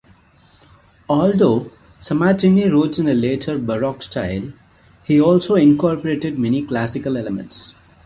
Although Sammartini wrote in a later Baroque style, he also incorporated many Classical elements.